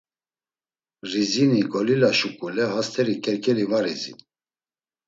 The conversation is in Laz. Rizini golila şuǩule hast̆eri ǩerǩeli var izin.